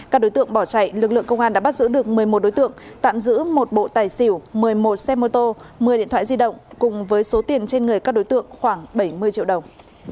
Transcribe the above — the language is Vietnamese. các đối tượng bỏ chạy lực lượng công an đã bắt giữ được một mươi một đối tượng tạm giữ một bộ tài xỉu một mươi một xe mô tô một mươi điện thoại di động cùng với số tiền trên người các đối tượng khoảng bảy mươi triệu đồng